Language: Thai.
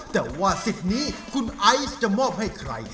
แต่ว่าสิทธิ์นี้คุณไอซ์จะมอบให้ใคร